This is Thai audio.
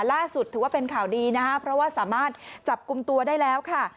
ล่าสุดถือว่าเป็นข่าวดีนะคะเพราะว่าสามารถจับกลุ่มตัวได้แล้วค่ะ